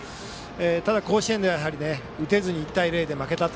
ただ、甲子園では打てずに１対０で負けた。